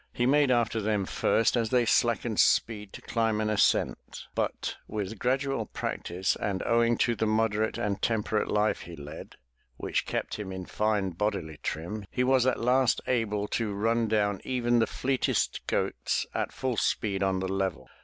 He made after them first as they slackened speed to climb an ascent, but with gradual practice and owing to the moderate and temperate life he led, which kept him in fine bodily trim, he was at last able to rUn down even the fleetest goats at full speed on the level.